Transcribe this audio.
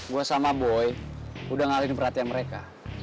gue sama boy udah ngalihin perhatian mereka